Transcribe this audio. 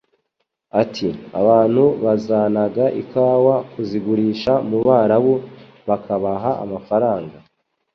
Ati “Abantu bazanaga ikawa kuzigurisha mu Barabu bakabaha amafaranga;